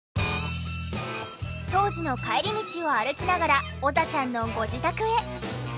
当時の帰り道を歩きながらおざちゃんのご自宅へ。